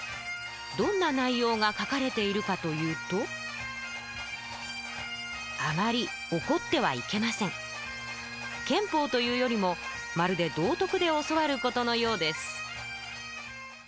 どんな内容が書かれているかというと憲法というよりもまるで道徳で教わることのようです